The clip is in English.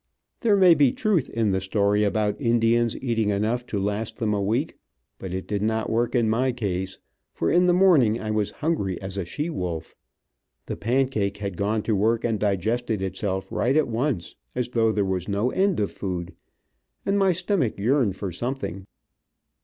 There may be truth in the story about Indians eating enough to last them a week, but it did not work in my case, for in the morning I was hungry as a she wolf. The pancake had gone to work and digested itself right at once, as though there was no end of food, and my stomach yearned for something.